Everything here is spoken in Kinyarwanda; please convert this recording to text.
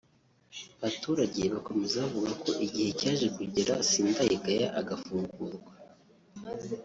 Abaturage bakomeza bavuga ko igihe cyaje kugera Sindayigaya agafungurwa